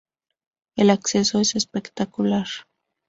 El acceso es espectacular.